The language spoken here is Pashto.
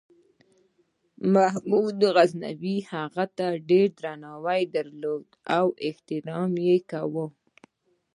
محمود غزنوي هغه ته ډېر احترام درلود او درناوی یې کاوه.